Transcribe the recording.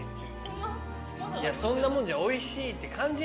いやそんなもんじゃおいしいって感じないよ。